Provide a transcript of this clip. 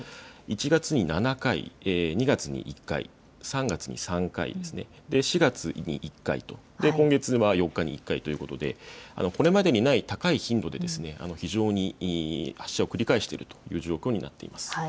１月に７回、２月に１回、３月に３回、４月に１回と、今月に１回ということでこれまでにない高い頻度で非常に発射を繰り返しているという状況になっています。